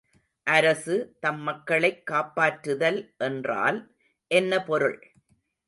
அரசு, தம் மக்களைக் காப்பாற்றுதல் என்றால் என்ன பொருள்?